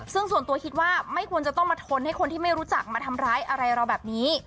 ซึ่งส่วนตัวคิดว่าไม่ควรจะต้องมาทนให้คนที่ไม่รู้จักมาทำร้ายอะไรเราแบบนี้